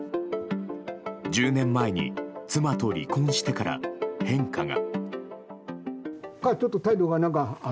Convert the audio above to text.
１０年前に妻と離婚してから変化が。